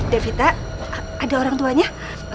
devita ada orang tuanya